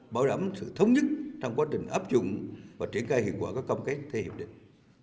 bảo đảm sự thống nhất trong quá trình áp dụng và triển khai hiệu quả các công kết theo hiệp định